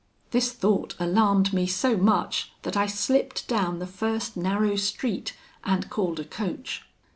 This thought alarmed me so much, that I slipped down the first narrow street, and called a coach.